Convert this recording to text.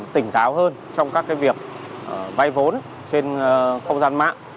tỉnh táo hơn trong các việc vay vốn trên không gian mạng